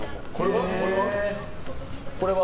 これは？